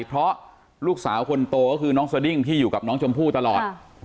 เพราะลูกสาวคนโตก็คือน้องสดิ้งที่อยู่กับน้องชมพู่ตลอด